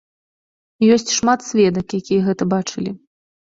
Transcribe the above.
Ёсць шмат сведак, якія гэта бачылі.